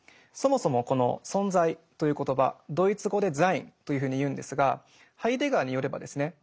そもそもこの存在という言葉ドイツ語で「ザイン」というふうに言うんですがハイデガーによればですね